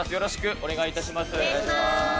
お願いします。